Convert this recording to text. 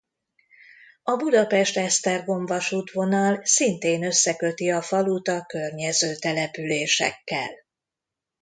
A Budapest–Esztergom-vasútvonal szintén összeköti a falut a környező településekkel.